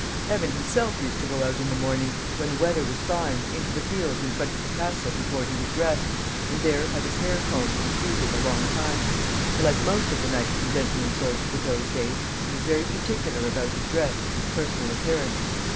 Evan himself used to go out in the morning, when the weather was fine, into the fields in front of the castle before he was dressed, and there have his hair combed and plaited a long time; for, like most of the knights and gentlemen soldiers of those days, he was very particular about his dress and his personal appearance.